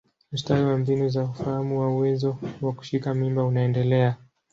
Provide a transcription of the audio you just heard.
Ustawi wa mbinu za ufahamu wa uwezo wa kushika mimba unaendelea.